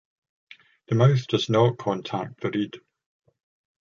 The mouth does not contact the reed.